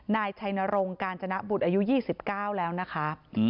นายชัยนรงกาญจนบุตรอายุ๒๙แล้วนะคะ